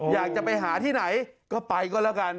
อยากจะไปหาที่ไหนก็ไปก็แล้วกัน